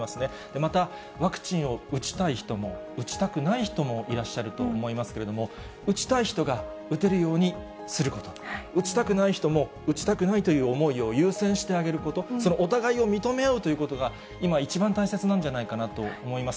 またワクチンを打ちたい人も、打ちたくない人もいらっしゃると思いますけれども、打ちたい人が打てるようにすること、打ちたくない人も、打ちたくないという思いを優先してあげること、そのお互いを認め合うということが、今一番大切なんじゃないかなと思います。